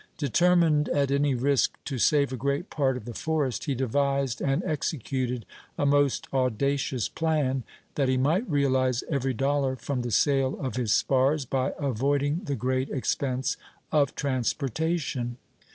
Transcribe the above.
Determined at any risk to save a great part of the forest, he devised and executed a most audacious plan, that he might realize every dollar from the sale of his spars, by avoiding the great expense of transportation.